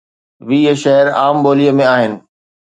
ويهه شعر عام ٻوليءَ ۾ آهن